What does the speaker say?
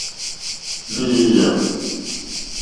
Lééyà.